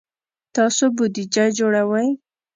تاسو بودیجه جوړوئ؟